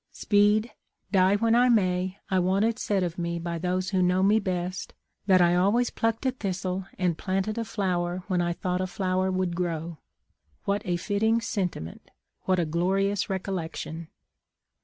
Speed, die when I may, I want it said of me by those who know me best, that I always plucked a thistle and planted a flower when I 528 THE LIFE OF LINCOLN. thought a flower would grow.' What a fitting sen timent ! What a glorious recollection